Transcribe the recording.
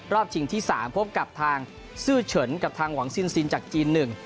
ชิงที่๓พบกับทางซื่อเฉินกับทางหวังซินซินจากจีน๑